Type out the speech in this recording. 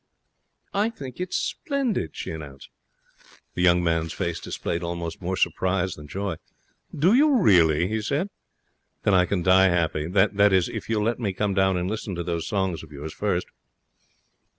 'I think it's splendid,' she announced. The young man's face displayed almost more surprise than joy. 'Do you really?' he said. 'Then I can die happy that is, if you'll let me come down and listen to those songs of yours first.'